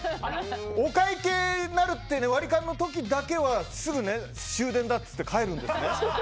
お会計になるっていうので割り勘の時だけはすぐ終電だって帰るんですね。